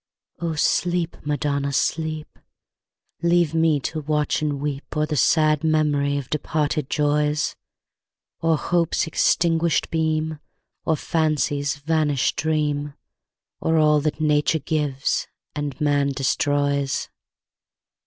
O sleep, Madonna! sleep; Leave me to watch and weep O'er the sad memory of departed joys, O'er hope's extinguished beam, O'er fancy's vanished dream; O'er all that nature gives and man destroys.